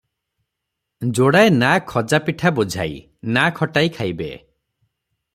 ଯୋଡ଼ାଏ ନାଆ ଖଜା ପିଠା ବୋଝାଇ, ନାଆ ଖଟାଇ ଖାଇବେ ।